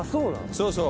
そうそう。